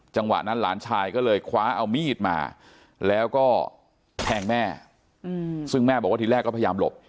จังหวะนั้นหลานชายก็เลยคว้าเอามีดมาแล้วก็แทงแม่ซึ่งแม่บอกว่าทีแรกก็พยายามหลบ